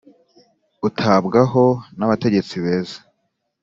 utambwa ho nabategetsi beza